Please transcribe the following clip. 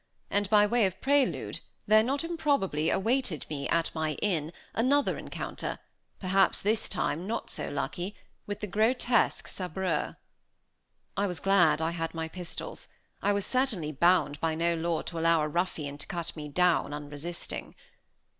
And by way of prelude, there not improbably awaited me, at my inn, another encounter, perhaps, this time, not so lucky, with the grotesque sabreur. I was glad I had my pistols. I certainly was bound by no law to allow a ruffian to cut me down, unresisting.